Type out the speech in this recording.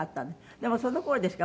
でもその頃ですか？